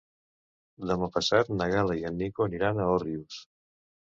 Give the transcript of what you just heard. Demà passat na Gal·la i en Nico aniran a Òrrius.